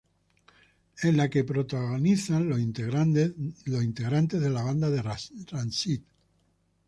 En la que protagonizan los integrantes de la banda de Rancid.